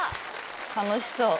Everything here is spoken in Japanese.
楽しそう。